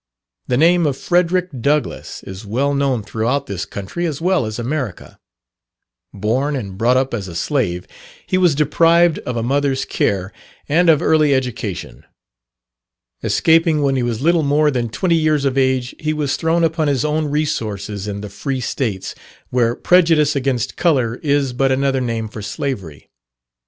The name of Frederick Douglass is well known throughout this country as well as America. Born and brought up as a slave, he was deprived of a mother's care and of early education. Escaping when he was little more than twenty years of age, he was thrown upon his own resources in the free states, where prejudice against colour is but another name for slavery.